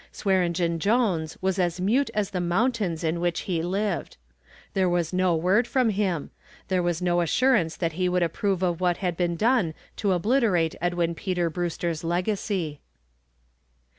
Swearengen Jones was as mute as the mountains in which he lived. There was no word from him, there was no assurance that he would approve of what had been done to obliterate Edwin Peter Brewster's legacy.